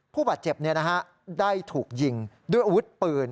ผู้บาดเจ็บได้ถูกยิงด้วยอาวุธปืน